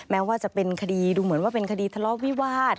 แม้ว่าจะเป็นคดีดูเหมือนว่าเป็นคดีทะเลาะวิวาส